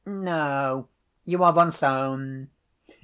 "No, you are von Sohn.